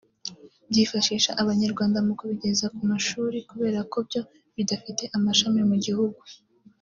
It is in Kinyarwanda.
byifashisha Abanyarwanda mu kubigeza ku mashuri kubera ko byo bidafite amashami mu gihugu